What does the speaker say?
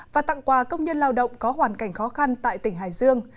và tặng quà công nhân lao động có hoàn cảnh khó khăn tại tỉnh hải dương